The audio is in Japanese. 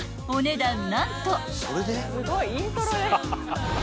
［お値段］